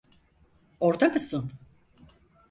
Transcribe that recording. Orda mısın?